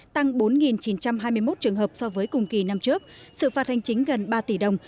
tăng bốn chín trăm hai mươi một trường hợp so với cùng kỳ năm trước sự phạt hành chính gần ba tỷ đồng